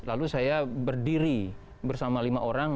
lalu saya berdiri bersama lima orang